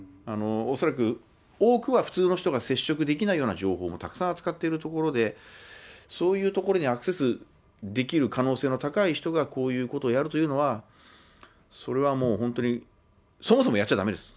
恐らく多くは普通の人が接触できないような情報もたくさん扱ってるところで、そういうところにアクセスできる可能性の高い人がこういうことをやるというのは、それはもう本当に、そもそもやっちゃだめです。